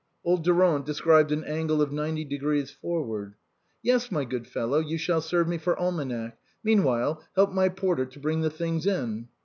Old Durand described an angle of ninety degrees for ward. " Yes, my good fellow, you shall serve me for almanac. Meanwhile, help my porter to bring the things in."